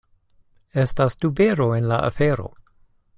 Estas tubero en la afero.